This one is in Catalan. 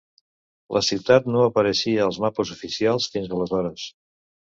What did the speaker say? La ciutat no apareixia als mapes oficials fins aleshores.